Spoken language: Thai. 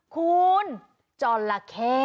คุณจอลลาเค